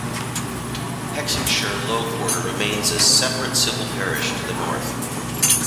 Hexhamshire Low Quarter remains a separate civil parish, to the north.